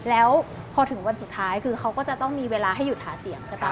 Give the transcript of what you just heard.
แล้วพอถึงวันสุดท้ายคือเขาก็จะต้องมีเวลาให้หยุดหาเสียงใช่ป่